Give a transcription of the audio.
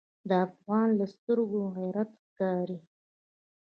د افغان له سترګو غیرت ښکاري.